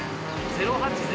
０８０。